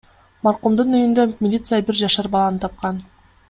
Маркумдун үйүндө милиция бир жашар баланы тапкан.